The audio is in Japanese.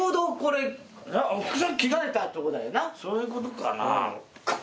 そういうことかな？